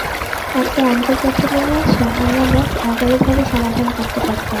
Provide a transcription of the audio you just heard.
একটা অঙ্কের কথা মনে আছে, আমরা মোট এগারোভাবে সমাধান করতে পারতাম।